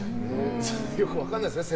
よく分からないですよね